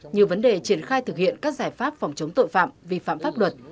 như vấn đề triển khai thực hiện các giải pháp phòng chống tội phạm vi phạm pháp luật